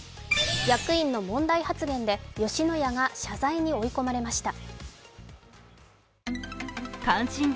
役員の問題発言で吉野家が謝罪に追い込まれました。